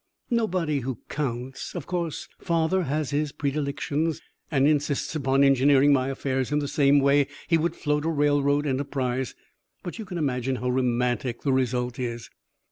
"Nobody who counts. Of course, father has his predilections and insists upon engineering my affairs in the same way he would float a railroad enterprise, but you can imagine how romantic the result is."